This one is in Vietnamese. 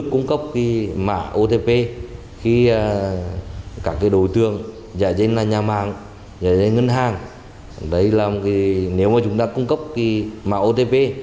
các đối tượng giả dên là nhà mạng giả dên ngân hàng nếu mà chúng ta cung cấp mạng otp